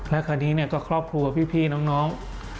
และคราวนี้เนี่ยก็ครอบครัวพี่น้อง